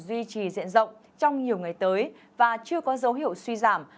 duy trì diện rộng trong nhiều ngày tới và chưa có dấu hiệu suy giảm